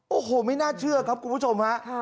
โอ้โหไม่น่าเชื่อครับคุณผู้ชมฮะ